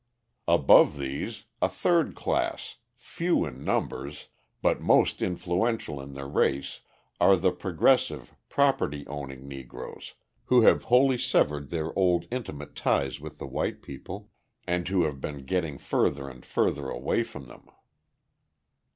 Above these, a third class, few in numbers, but most influential in their race, are the progressive, property owning Negroes, who have wholly severed their old intimate ties with the white people and who have been getting further and further away from them.